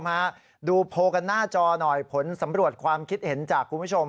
มาดูโพลกันหน้าจอหน่อยผลสำรวจความคิดเห็นจากคุณผู้ชม